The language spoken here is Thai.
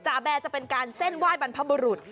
แบร์จะเป็นการเส้นไหว้บรรพบุรุษ